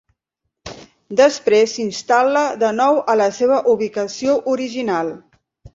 Després s'instal·la de nou a la seva ubicació original.